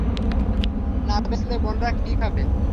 না বেচলে, বোনরা কি খাবে?